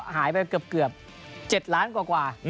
หายไปเกือบ๗ล้านกว่า